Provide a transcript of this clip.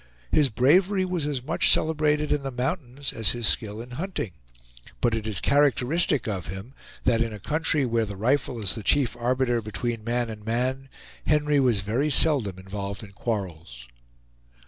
His bravery was as much celebrated in the mountains as his skill in hunting; but it is characteristic of him that in a country where the rifle is the chief arbiter between man and man, Henry was very seldom involved in quarrels.